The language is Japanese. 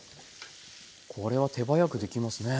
これは手早くできますね。